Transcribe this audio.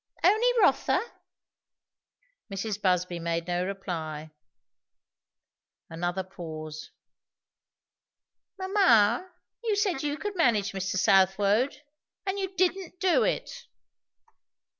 "Only Rotha?" Mrs. Busby made no reply. Another pause. "Mamma, you said you could manage Mr. Southwode; and you didn't do it!"